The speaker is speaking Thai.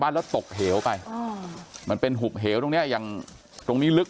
แล้วตกเหวไปอ๋อมันเป็นหุบเหวตรงเนี้ยอย่างตรงนี้ลึก